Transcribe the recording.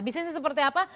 bisnisnya seperti apa